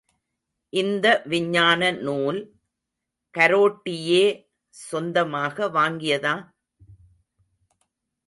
இந்த விஞ்ஞான நூல், கரோட்டியே சொந்தமாக வாங்கியதா?